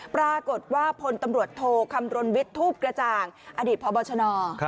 ปรากฏว่าพลตำรวจโทคำรณวิทย์ทูปกระจ่างอดีตพบชน